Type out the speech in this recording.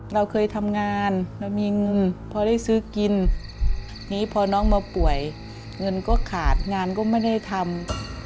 เราเคยทำงานเรามีเงินพอได้ซื้อกินนี้พอน้องมาป่วยเงินก็ขาดงานก็ไม่ได้ทำ